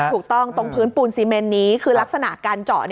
ตรงพื้นปูนซีเมนนี้คือลักษณะการเจาะ